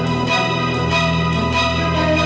ini punya dokter ya